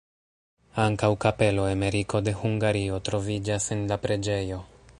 Ankaŭ kapelo Emeriko de Hungario troviĝas en la preĝejo.